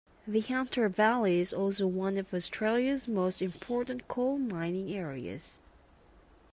The Hunter Valley is also one of Australia's most important coal mining areas.